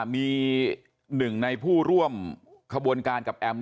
มีหนึ่งในผู้ร่วมขบวนการกับแอม